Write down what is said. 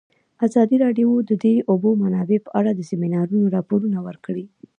ازادي راډیو د د اوبو منابع په اړه د سیمینارونو راپورونه ورکړي.